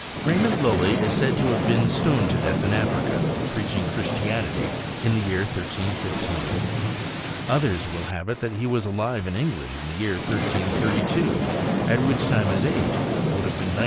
Raymond Lujly is said to have been stoned to death in Africa for preaching Christianity in the year 1315. Others will have it that he was alive in England in the year 1332, at which time his age would have been 97.